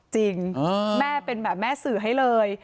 จริงแม่เป็นแบบแม่สื่อให้เลย